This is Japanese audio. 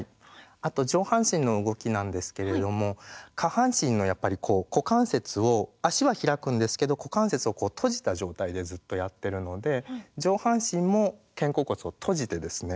あと上半身の動きなんですけれども下半身のやっぱりこう股関節を足は開くんですけど股関節を閉じた状態でずっとやってるので上半身も肩甲骨を閉じてですね